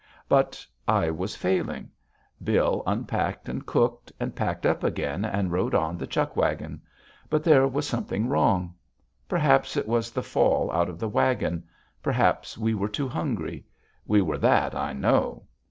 But I was failing. Bill unpacked and cooked and packed up again and rode on the chuck wagon. But there was something wrong. Perhaps it was the fall out of the wagon. Perhaps we were too hungry. We were that, I know.